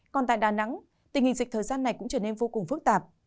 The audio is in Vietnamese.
còn tại đà nẵng tình hình dịch thời gian này cũng trở nên vô cùng phức tạp